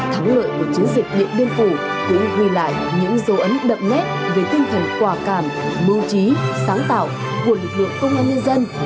thắng lợi của chiến dịch điện biên phủ cũng ghi lại những dấu ấn đậm nét về tinh thần quả cảm mưu trí sáng tạo của lực lượng công an nhân dân